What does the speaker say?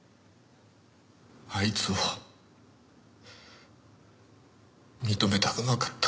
あいつを認めたくなかった。